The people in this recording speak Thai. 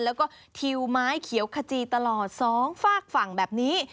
แล้วก็ทิวไม้เขียวขจีตลอดสองฝากฝั่งแบบนี้